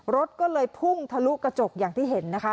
รถก็เลยพุ่งทะลุกระจกอย่างที่เห็นนะคะ